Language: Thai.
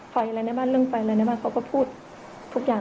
ไฟอะไรในบ้านเรื่องไฟอะไรในบ้านเขาก็พูดทุกอย่าง